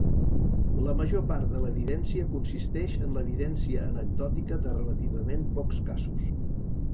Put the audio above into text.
La major part de l'evidència consisteix en l'evidència anecdòtica de relativament pocs casos.